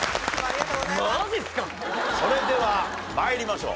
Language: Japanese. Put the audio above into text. それでは参りましょう。